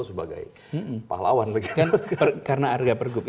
supaya nggak ribet begitu pak